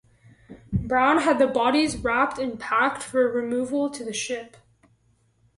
Brown had the bodies wrapped and packed for removal to the ship.